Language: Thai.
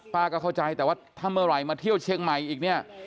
ป้าก็เข้าใจแต่ว่าทำอะไรมาเที่ยวเชียงใหม่อีกเนี่ย